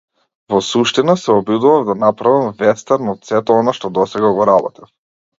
Во суштина, се обидував да направам вестерн од сето она што досега го работев.